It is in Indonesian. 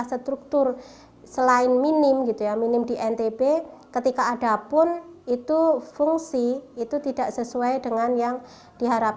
bisa ikut turut berkontribusi pada dunia pariwisata di lombok barat